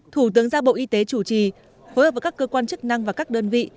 thủ tướng ra bộ y tế chủ trì phối hợp với các cơ quan chức năng và các đơn vị